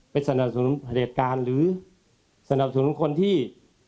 ไปสำหรับสมมติประเทศกาลหรือสำหรับสมมติคนที่